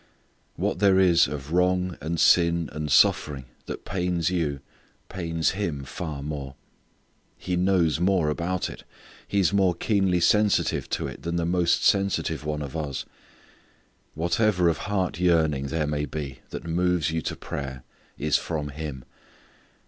What there is of wrong and sin and suffering that pains you, pains Him far more. He knows more about it. He is more keenly sensitive to it than the most sensitive one of us. Whatever of heart yearning there may be that moves you to prayer is from Him.